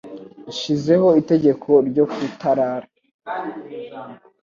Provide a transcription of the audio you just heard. Nshizeho itegeko ryo kutarara.